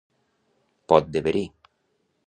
Pot de verí.